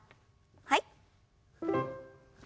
はい。